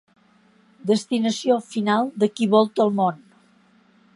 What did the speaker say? Destinació final de qui volta el món.